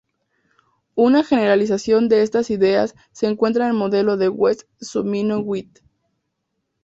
Una generalización de estas ideas se encuentra en el modelo de Wess-Zumino-Witten.